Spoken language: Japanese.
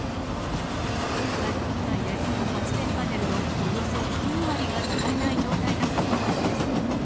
今回の被害で、発電パネルのおよそ９割が使えない状態だということです。